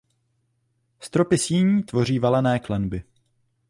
Stropy síní tvoří valené klenby.